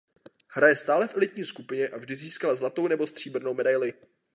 Hraje stále v elitní skupině a vždy získala zlatou nebo stříbrnou medaili.